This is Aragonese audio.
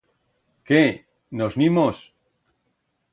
Qué, nos n'imos?